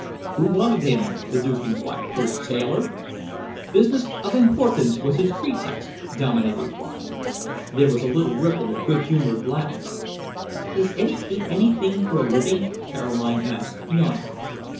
"Who wanted him?" the Duke enquired. "His tailor?" "Business of importance was his pretext," Dominey replied. There was a little ripple of good humoured laughter. "Does Eddy do anything for a living?" Caroline asked, yawning.